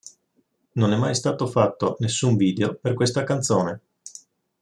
Non è mai stato fatto nessun video per questa canzone.